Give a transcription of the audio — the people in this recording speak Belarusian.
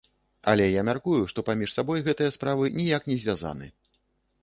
Але, я мяркую, што паміж сабой гэтыя справы ніяк не звязаны.